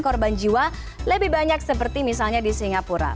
korban jiwa lebih banyak seperti misalnya di singapura